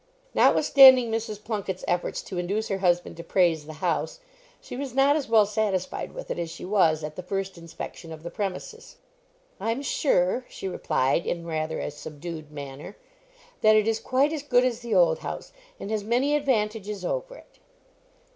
Notwithstanding Mrs. Plunket's efforts to induce her husband to praise the house, she was not as well satisfied with it as she was at the first inspection of the premises. "I'm sure," she replied, in rather a subdued manner, "that it is quite as good as the old house, and has many advantages over it."